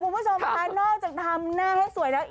คุณผู้ชมค่ะนอกจากทำหน้าให้สวยแล้ว